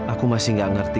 aku masih gak ngerti